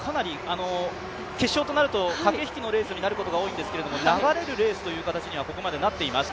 決勝となると駆け引きのレースになることが多いんですけれど流れるレースという形にはここまでなっています。